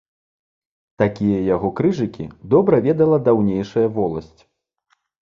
Такія яго крыжыкі добра ведала даўнейшая воласць.